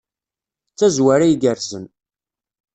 D tazwara igerrzen.